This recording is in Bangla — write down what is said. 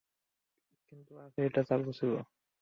কিন্তু আজ, এটা চালু ছিল।